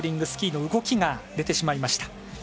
スキーの動きが出てしまいました。